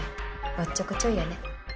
おっちょこちょいやね。